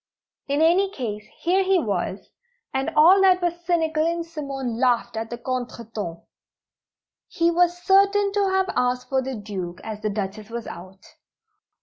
In any case, here he was, and all that was cynical in Simone laughed at the contretemps. He was certain to have asked for the Duke, as the Duchess was out.